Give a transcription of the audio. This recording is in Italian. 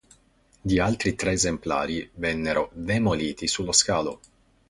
Gli altri tre esemplari vennero demoliti sullo scalo.